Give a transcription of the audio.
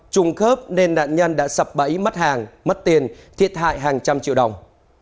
trùng khớp nên nạn nhân đã sập bẫy mất hàng mất tiền thiệt hại hàng trăm triệu đồng